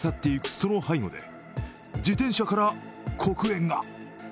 その背後で自転車から黒煙が。